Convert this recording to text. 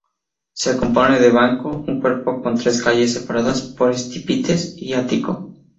Se compone de banco, un cuerpo con tres calles separadas por estípites y ático.